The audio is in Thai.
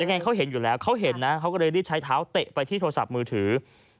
ไงเขาเห็นอยู่แล้วเขาเห็นนะเขาก็เลยรีบใช้เท้าเตะไปที่โทรศัพท์มือถือ